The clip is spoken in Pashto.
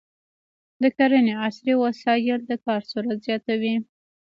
د کرنې عصري وسایل د کار سرعت زیاتوي.